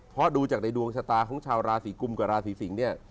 เพราะดูจากในดวงศาตาของเฉาราสีกุ้งกับราสีศิงศ์